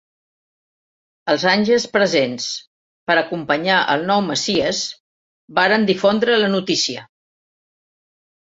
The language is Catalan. Els àngels presents per a acompanyar al nou messies varen difondre la notícia.